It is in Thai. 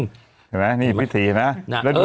ได้ไหมนี่พี่ศรีนะนั่นลูกกากอยู่นะ